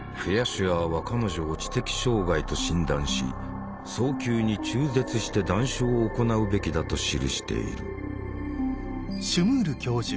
シュアーは彼女を知的障害と診断し「早急に中絶して断種を行うべきだ」と記している。